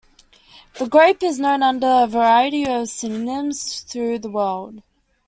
The grape is known under a variety of synonyms through the world.